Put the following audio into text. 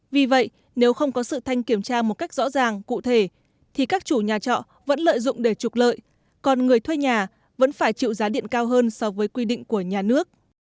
vì vậy nếu không có sự thanh kiểm tra một cách rõ ràng cụ thể thì các chủ nhà trọ vẫn lợi dụng để trục lợi còn người thuê nhà vẫn phải chịu giá điện cao hơn so với quy định của nhà nước